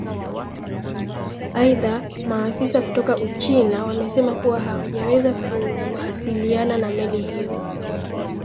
aidhaa maafisa kutoka uchina wamesema kuwa hawajaweza kuasiliana na meli hiyo